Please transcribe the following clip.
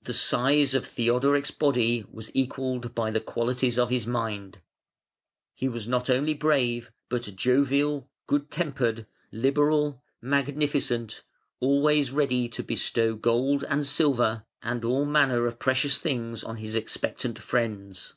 The size of Theodoric's body was equalled by the qualities of his mind. He was not only brave but jovial, good tempered, liberal, magnificent, always ready to bestow gold and silver and all manner of precious things on his expectant friends.